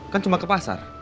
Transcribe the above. kan cuma ke pasar